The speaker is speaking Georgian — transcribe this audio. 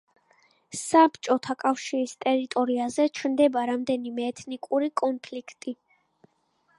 საბჭოთა კავშირის ტერიტორიაზე ჩნდება რამდენიმე ეთნიკური კონფლიქტი.